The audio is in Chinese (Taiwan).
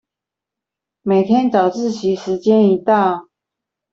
每天早自習時間一到